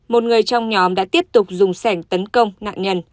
một người trong nhóm đã tiếp tục dùng sảnh tấn công nạn nhân